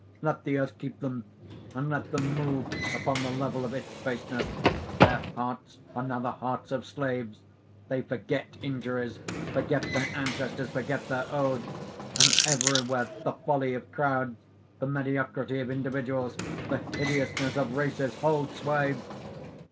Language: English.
Let the Earth keep them; and let them move upon the level of its baseness. Their hearts are now the hearts of slaves; they forget injuries, forget their ancestors, forget their oaths, and everywhere the folly of crowds, the mediocrity of individuals, the hideousness of races, hold sway!"